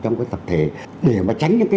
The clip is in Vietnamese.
trong cái tập thể để mà tránh những cái